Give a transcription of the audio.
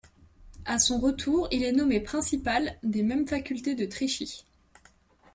A son retour il est nommé ‘Principal’ des mêmes facultés de Trichy.